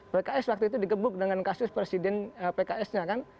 pks waktu itu dikebuk dengan kasus presiden pks nya kan